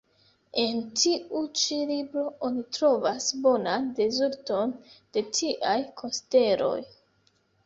En tiu ĉi libro oni trovas bonan rezulton de tiaj konsideroj.